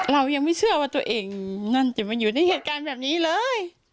เรายังไม่เชื่อว่าตัวเองนั่นจะมาอยู่ในเหตุการณ์แบบนี้เลย